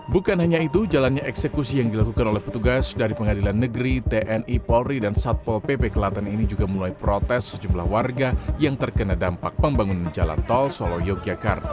bukan hanya itu jalannya eksekusi yang dilakukan oleh petugas dari pengadilan negeri tni polri dan satpol pp kelaten ini juga mulai protes sejumlah warga yang terkena dampak pembangunan jalan tol solo yogyakarta